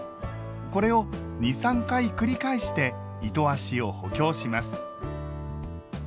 これを２３回繰り返して糸足を補強します。